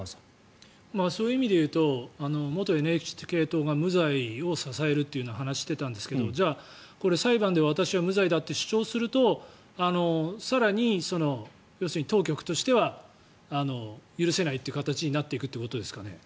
そういう意味で言うと元ＮＨＫ党が無罪を支えるという話をしてたんですが裁判で私は無罪だと主張すると更に当局としては許せないという形になっていくということですかね？